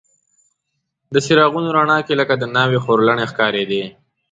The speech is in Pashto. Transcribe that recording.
د څراغونو رڼا کې لکه د ناوې خورلڼې ښکارېدې.